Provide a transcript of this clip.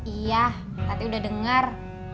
iya nanti udah denger